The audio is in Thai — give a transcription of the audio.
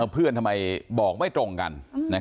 เพื่อนทำไมว่าบอกไม่ตรงกัน